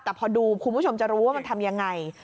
แต่พอดูคุณผู้ชมจะรู้ว่ามันทำยังไง